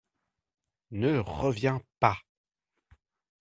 Ne reviens pas !